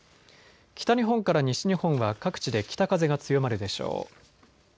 北日本から西日本は各地で北風が強まるでしょう。